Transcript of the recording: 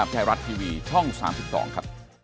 ใช่ครับ